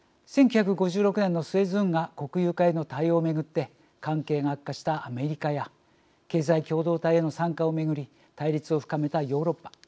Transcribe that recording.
１９５６年のスエズ運河国有化への対応を巡って関係が悪化したアメリカや経済共同体への参加を巡り対立を深めたヨーロッパ。